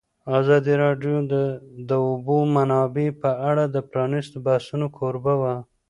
ازادي راډیو د د اوبو منابع په اړه د پرانیستو بحثونو کوربه وه.